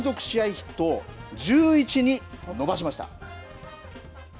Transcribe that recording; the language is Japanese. ヒットを１１に伸ばしました。